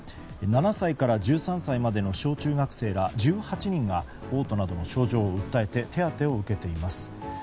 ７歳から１３歳までの小中学生ら１８人が嘔吐などの症状を訴えて手当てを受けています。